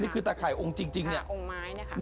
นี่คือตะไข่องค์จริงนี่ครับองค์ไม้นี่ครับ